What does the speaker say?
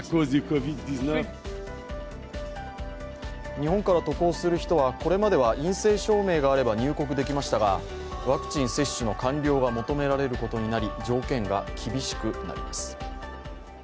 日本から渡航する人は、これまでは陰性証明があれば入国できましたが、ワクチン接種の完了が求められることになり条件が厳しくなります。